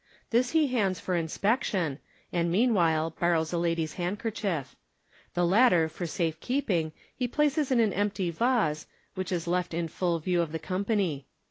This he hands for inspection, and meanwhile borrows a lady's handkerchief. The latter, for safe keeping, he places in an empty vase, which is left in full view of the company.